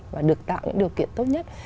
và được tạo những điều kiện tốt nhất